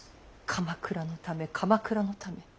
鎌倉のため鎌倉のため。